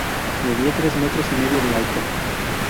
Medía tres metros y medio de alto.